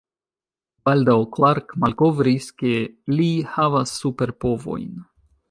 Baldaŭ, Clark malkovris, ke li havas super-povojn.